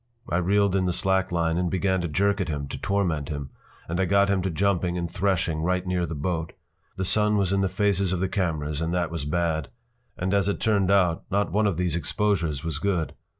I reeled in the slack line and began to jerk at him to torment him, and I got him to jumping and threshing right near the boat. The sun was in the faces of the cameras and that was bad. And as it turned out not one of these exposures was good.